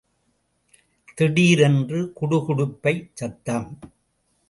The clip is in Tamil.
திடீரென்று குடுகுடுப்பைச் சத்தம்.